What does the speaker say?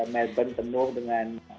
melbourne tenuh dengan